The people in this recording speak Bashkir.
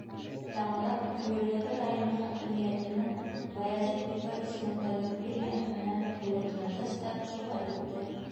Яңыраҡ Көйөргәҙе районы хакимиәтенең Баязит Бикбай исемендәге премияһы менән бүләкләнгәс тә шулай итте.